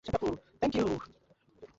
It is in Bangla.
বর্তমানে এটি ভারতের একমাত্র ট্রাম পরিসেবা।